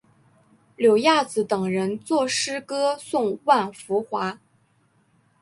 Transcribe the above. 柳亚子等人作诗歌颂万福华。